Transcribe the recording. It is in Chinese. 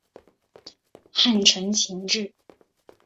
汉承秦制。